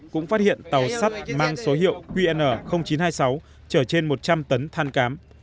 cũng phát hiện tàu sắt mang số hiệu qn chín trăm hai mươi sáu chở trên một trăm linh tấn than cám